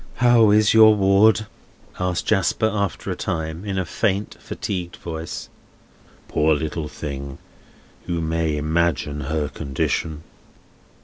"How is your ward?" asked Jasper, after a time, in a faint, fatigued voice. "Poor little thing! You may imagine her condition."